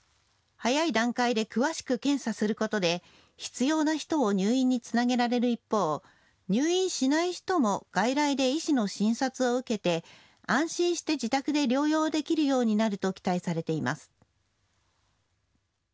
早い段階で詳しく検査することで必要な人を入院につなげられる一方、入院しない人も外来で医師の診察を受けて安心して自宅で療養できるようになると期待されています。